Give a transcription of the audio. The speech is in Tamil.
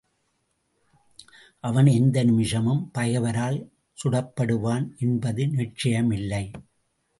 அவன் எந்த நிமிஷம் பகைவரால் சுடப்படுவான் என்பது நிச்சயமில்லை.